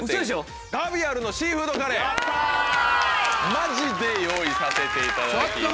マジで用意させていただきました。